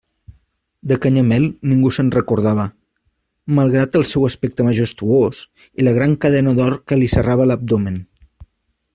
De Canyamel ningú se'n recordava, malgrat el seu aspecte majestuós i la gran cadena d'or que li serrava l'abdomen.